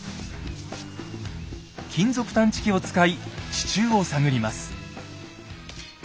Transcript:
金属探知機を使い地中を探ります。